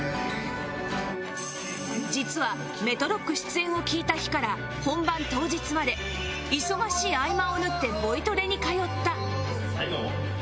実は「ＭＥＴＲＯＣＫ」出演を聞いた日から本番当日まで忙しい合間を縫ってボイトレに通った